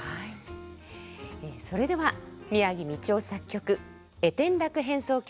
それでは宮城道雄作曲「越天楽変奏曲」